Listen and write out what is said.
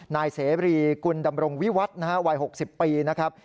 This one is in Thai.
นายเสบรีกุณฑ์ดำรงวิวัตน์วัย๖๐ปีนะครับ